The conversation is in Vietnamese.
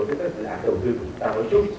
và do vậy nó ảnh hưởng rất nhiều